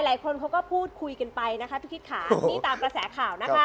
หลายคนเขาก็พูดคุยกันไปนะคะพี่คิดค่ะนี่ตามกระแสข่าวนะคะ